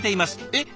えっ？